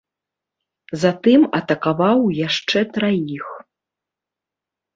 Затым атакаваў яшчэ траіх.